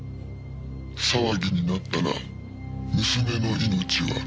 「騒ぎになったら娘の命はない」